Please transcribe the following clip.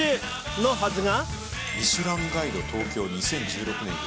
のはずが。